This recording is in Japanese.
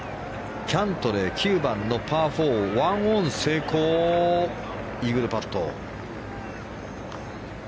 キャントレー、９番のパー４１オン成功でイーグルパット。